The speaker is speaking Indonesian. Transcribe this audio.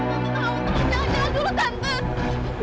tante tahu tante jangan jalan dulu tante